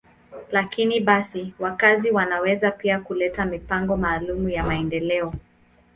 Lakini basi, wakazi wanaweza pia kuleta mipango maalum ya maendeleo.